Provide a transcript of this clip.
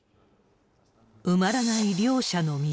埋まらない両者の溝。